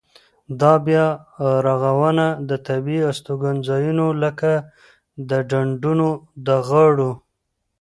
دا بیا رغونه د طبیعي استوګنځایونو لکه د ډنډونو د غاړو.